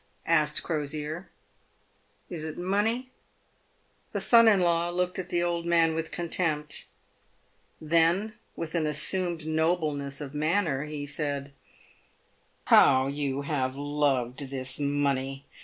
asked Crosier. " Is it money ?" The son in law looked at the old man with contempt. Then, with an assumed nobleness of manner, he said, " How you have loved this money.